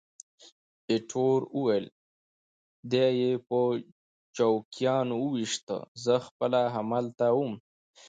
ایټور وویل: دی یې په چوکیانو وویشت، زه خپله همالته وم.